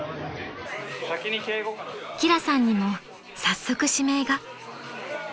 ［輝さんにも早速指名が］